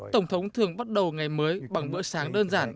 tổng thống thường bắt đầu ngày mới bằng bữa sáng đơn giản